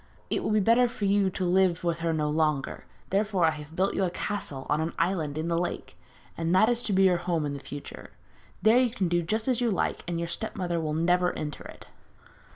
It will be better for you to live with her no longer; therefore I have built you a castle on the island in the lake, and that is to be your home in future. There you can do just as you like, and your step mother will never enter it.'